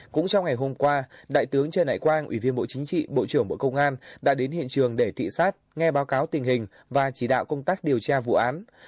cũng trong ngày hôm qua đại tướng trần đại quang ủy viên bộ chính trị bộ trưởng bộ công an đã đến hiện trường để thị xát nghe báo cáo tình hình và chỉ đạo công tác điều tra vụ án